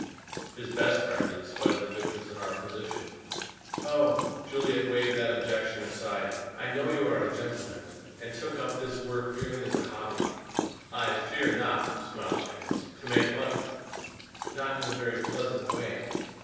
"His best friend, in spite of the difference in our position." "Oh," Juliet waved that objection aside, "I know you are a gentleman and took up this work merely as a hobby." "I fear not," smiled Jennings. "To make money." "Not in a very pleasant way.